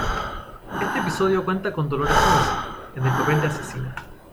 Este episodio cuenta con Dolores Fonzi, en el papel de asesina.